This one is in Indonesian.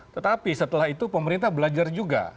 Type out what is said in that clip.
tetapi setelah itu pemerintah belajar juga